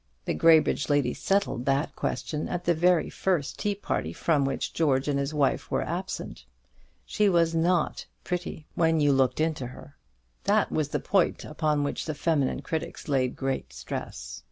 The Graybridge ladies settled that question at the very first tea party from which George and his wife were absent. She was not pretty when you looked into her. That was the point upon which the feminine critics laid great stress.